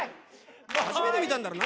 初めて見たんだろ？